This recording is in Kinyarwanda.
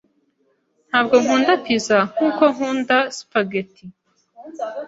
Ntabwo nkunda pizza nkuko nkunda spaghetti.